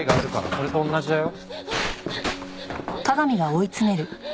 それと同じだよ。